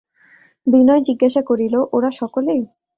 বিনয় জিজ্ঞাসা করিল, ওঁরা সকলে?